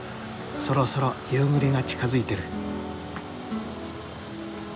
そろそろ夕暮れが近づいてる。